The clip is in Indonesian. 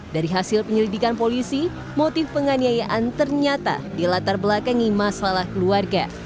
dari hasil penyelidikan polisi motif penganiayaan ternyata dilatar belakangi masalah keluarga